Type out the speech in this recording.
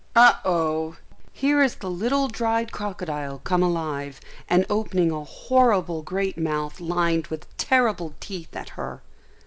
OH! oh! here is the little dried crocodile come alive, and opening a horrible great mouth lined with terrible teeth at her.